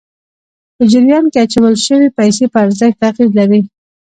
په جریان کې اچول شويې پیسې په ارزښت اغېز لري.